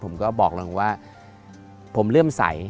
ผมก็บอกเราว่าผมเลื่อมใส